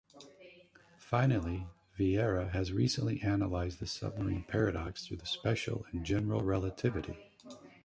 Finally, Vieira has recently analyzed the submarine paradox through the special and general relativity.